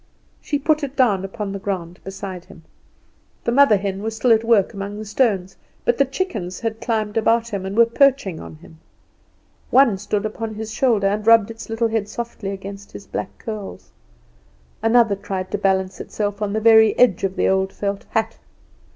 She put it down upon the ground beside him. The mother hen was at work still among the stones, but the chickens had climbed about him and were perching on him. One stood upon his shoulder, and rubbed its little head softly against his black curls: another tried to balance itself on the very edge of the old felt hat.